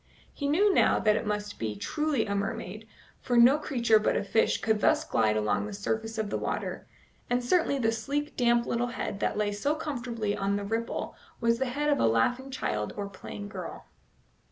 He knew now that it must be truly a mermaid, for no creature but a fish could thus glide along the surface of the water, and certainly the sleek, damp little head that lay so comfortably on the ripple was the head of a laughing child or playful girl.